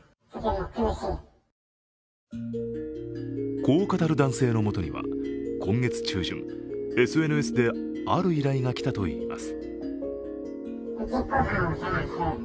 こう語る男性のもとには今月中旬、ＳＮＳである依頼が来たといいます。